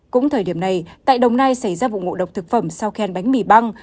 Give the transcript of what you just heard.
cũng thời điểm này tại đồng nai xảy ra vụ ngộ độc thực phẩm sau khen bánh mì băng